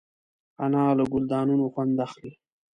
انا له ګلدانونو خوند اخلي